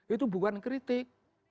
itu bukan kritik